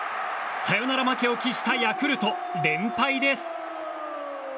サヨナラ負けを喫したヤクルト連敗です。